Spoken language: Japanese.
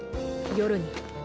「夜に」